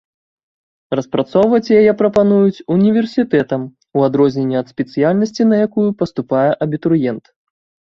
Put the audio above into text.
Распрацоўваць яе прапануюць універсітэтам, у адрозненні ад спецыяльнасці на якую паступае абітурыент.